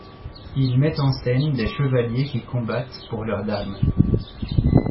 Il met en scène des chevaliers qui combattent pour leurs dames.